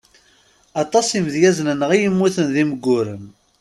Aṭas imedyazen-nneɣ i immuten d imenguren.